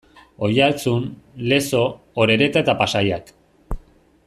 Oiartzun, Lezo, Orereta eta Pasaiak.